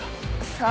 さあ。